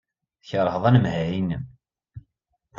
Tkeṛheḍ anemhal-nnem.